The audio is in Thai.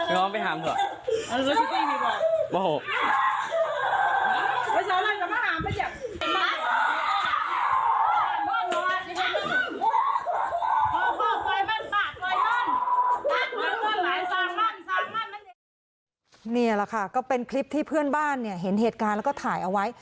นี่แหละค่ะก็เป็นคลิปที่เพื่อนบ้านเนี่ยเห็นเหตุการณ์แล้วก็ถ่ายเอาไว้